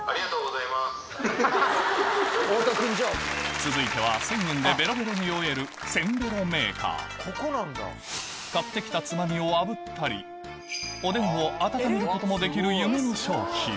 続いては１０００円でべろべろに酔える買って来たつまみをあぶったりおでんを温めることもできる夢の商品